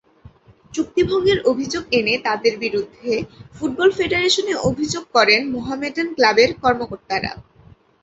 চুক্তিভঙ্গের অভিযোগ এনে তাঁদের বিরুদ্ধে ফুটবল ফেডারেশনে অভিযোগ করেন মোহামেডান ক্লাবের কর্মকর্তারা।